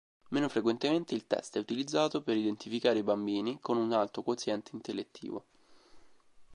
Meno frequentemente il test è utilizzato per identificare bambini con un alto quoziente intellettivo.